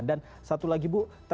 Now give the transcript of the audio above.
dan satu lagi bu